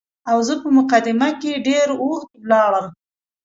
او زه په مقدمه کې ډېر اوږد ولاړم.